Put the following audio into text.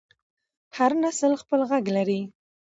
هر نسل خپل غږ لري